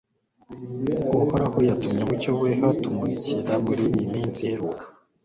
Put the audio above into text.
uhoraho yatumye umucyo we kutumurikira muri iyi minsi iheruka